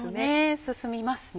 進みますね。